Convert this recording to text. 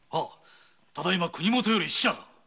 ただいま国元より使者が。